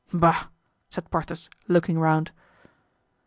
"Bah!" said Porthos, looking around.